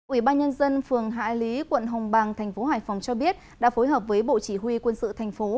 ủy ban nhân dân phường hạ lý quận hồng bàng thành phố hải phòng cho biết đã phối hợp với bộ chỉ huy quân sự thành phố